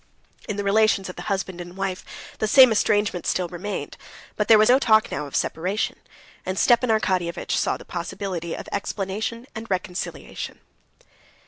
In the relations of the husband and wife the same estrangement still remained, but there was no talk now of separation, and Stepan Arkadyevitch saw the possibility of explanation and reconciliation.